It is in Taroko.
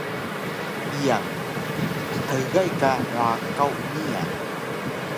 Iyang: Bhgay ka rakaw niya